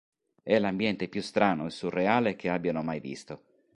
È l’ambiente più strano e surreale che abbiano mai visto.